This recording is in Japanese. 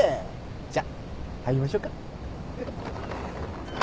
じゃあ入りましょうか。